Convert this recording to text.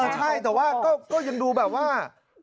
ใช่แต่ว่าก็ยังดูแบบว่า